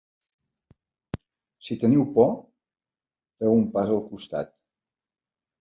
Si teniu por, feu un pas al costat.